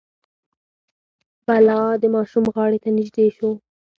بلا د ماشوم غاړې ته نژدې شو.